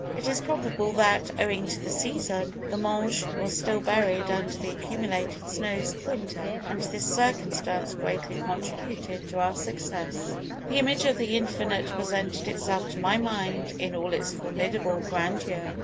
It is probable that, owing to the season, the Mönch was still buried under the accumulated snows of winter, and this circumstance greatly contributed to our success. "The image of the Infinite presented itself to my mind in all its formidable grandeur.